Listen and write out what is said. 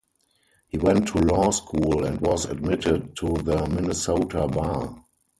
He went to law school and was admitted to the Minnesota bar.